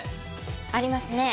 ありますね。